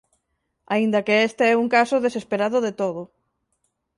Aínda que este é un caso desesperado de todo.